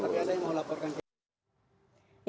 tapi saya mau laporkan ke